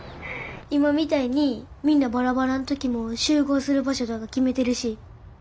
今みたいにみんなバラバラの時も集合する場所とか決めてるし。